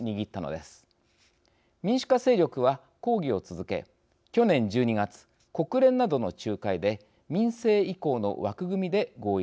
民主化勢力は抗議を続け去年１２月国連などの仲介で民政移行の枠組みで合意しました。